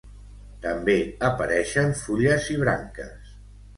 També apareixen fulles i branques.